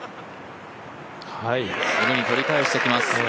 すぐに取り返してきます